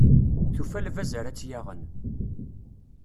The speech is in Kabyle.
Tufa lbaz ara tt-yaɣen.